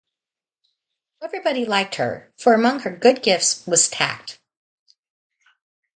Everybody liked her, for among her good gifts was tact.